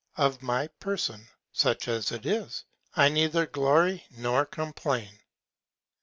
Of my Person, such as it is, I neither glory nor complain.